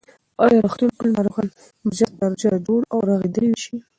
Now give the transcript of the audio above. ایا د روغتون ټول ناروغان به ژر تر ژره جوړ او رغېدلي شي؟